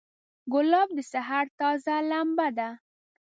ګلاب د سحر تازه لمبه ده.